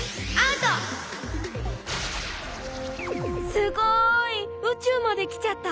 すごいうちゅうまで来ちゃった。